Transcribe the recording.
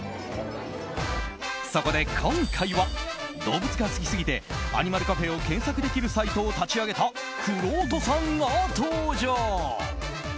そこで、今回は動物が好きすぎてアニマルカフェを検索できるサイトを立ち上げたくろうとさんが登場。